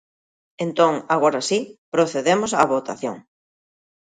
Entón, agora si, procedemos á votación.